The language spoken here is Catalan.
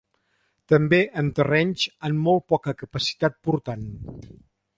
També en terrenys amb molt poca capacitat portant.